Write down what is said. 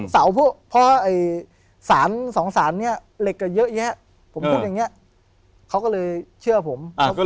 เพราะสารสองสารเนี่ยเหล็กกันเยอะแยะผมทุบอย่างเงี้ยเขาก็เลยเชื่อผม